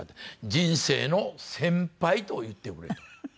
「人生の先輩と言ってくれ」とはい。